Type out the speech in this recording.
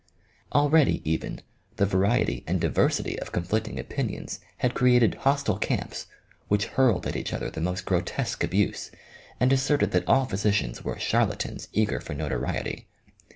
Already, even, the variety and diversity of conflicting opinions had created hostile camps, which hurled at each other the most grotesque abuse, and asserted that all physicians were "charlatans eager for notoriety."